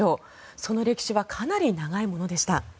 その歴史はかなり長いものでした。